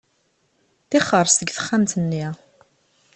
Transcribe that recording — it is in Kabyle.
Ṭixer seg texxamt-nni.